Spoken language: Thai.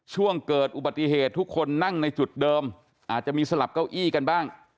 ช่วงเกิดอุบัติเหตุทุกคนนั่งในจุดเดิมอาจจะมีสลับเก้าอี้กันบ้าง